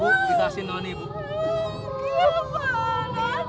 hei jangan bergerak